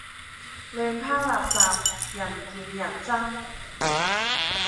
亂拋垃圾，人見人憎